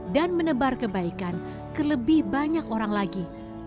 dan menebar kebaikan ke lebih banyak orang lagi